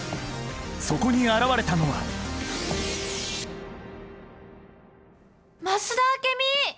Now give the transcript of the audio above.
そこに現れたのは増田明美！